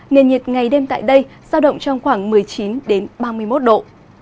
nền nhiệt ngày đêm tại đây giao động trong khoảng một mươi chín ba mươi một độ